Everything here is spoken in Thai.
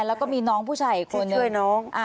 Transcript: แล้วก็มีน้องผู้ชายคนหนึ่งที่ช่วยน้อง